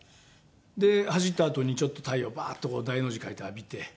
で走ったあとにちょっと太陽バーッと大の字かいて浴びて。